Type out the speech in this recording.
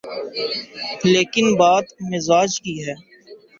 لیکن بات مزاج کی ہے۔